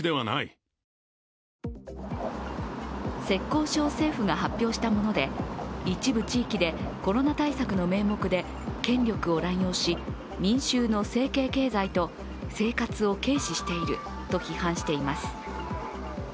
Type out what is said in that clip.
浙江省政府が発表したもので一部地域でコロナ対策の名目で、権力を乱用し民衆の生計経済と生活を軽視していると批判しています。